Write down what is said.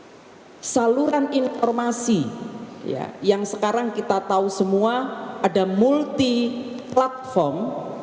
ada saluran informasi yang sekarang kita tahu semua ada multi platform